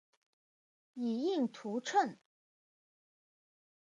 以应图谶。